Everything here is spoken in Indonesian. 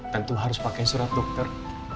tentu harus pakai surat dokter